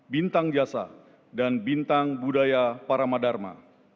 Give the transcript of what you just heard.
bintang jasa dan bintang budaya paramadharma